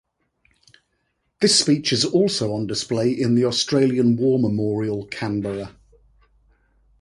This speech is also on display in the Australian War Memorial, Canberra.